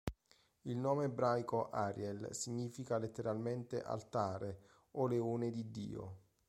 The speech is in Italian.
Il nome ebraico "Ariel" significa letteralmente "Altare" o "Leone di Dio".